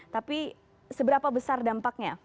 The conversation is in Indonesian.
tapi seberapa besar dampaknya